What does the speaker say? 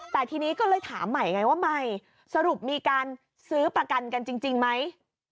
แต่ทีนี้ก็เลยถามใหม่ไงว่าใหม่สรุปมีการซื้อประกันกันจริงไหม